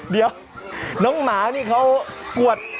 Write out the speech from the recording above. เดี๋ยวน้องหมานี่เขากวด